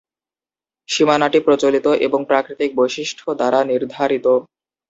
সীমানাটি প্রচলিত এবং প্রাকৃতিক বৈশিষ্ট্য দ্বারা নির্ধারিত।